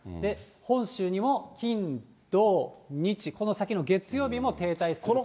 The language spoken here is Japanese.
本州にも金、土、日、この先の月曜日も停滞すると。